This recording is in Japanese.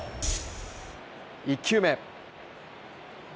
１球目。